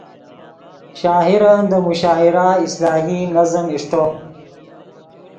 شاعرن دے مشاعرہ اصلاحی نظم اݰٹو